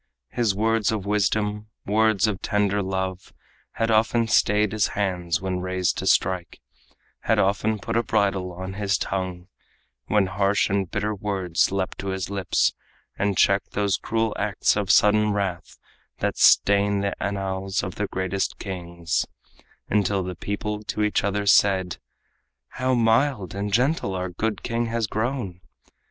His words of wisdom, words of tender love, Had often stayed his hands when raised to strike, Had often put a bridle on his tongue When harsh and bitter words leaped to his lips, And checked those cruel acts of sudden wrath That stain the annals of the greatest kings, Until the people to each other said: "How mild and gentle our good king has grown!"